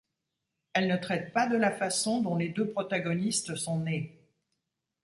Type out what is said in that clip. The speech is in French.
Elle ne traite pas de la façon dont les deux protagonistes sont nés.